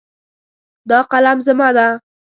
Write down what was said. دا قلم زما ده